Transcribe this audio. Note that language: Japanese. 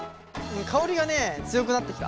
香りがねえ強くなってきた。